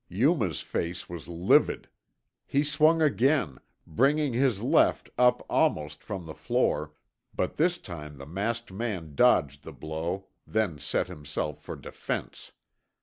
Yuma's face was livid. He swung again, bringing his left up almost from the floor, but this time the masked man dodged the blow, then set himself for defense.